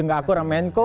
enggak akurah menko